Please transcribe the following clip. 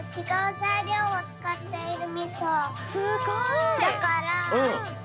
すごい！